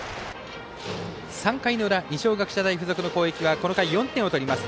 ３回の裏二松学舎大付属の攻撃はこの回、４点を取ります。